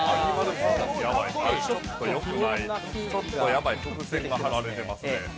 ちょっとヤバい伏線が張られてますね。